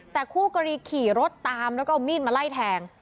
แต่คู่กรณีขี่รถตามแล้วก็เอามีดมาไล่แทง